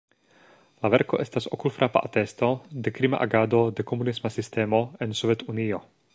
La verko estas okulfrapa atesto de krima agado de komunisma sistemo en Sovetunio.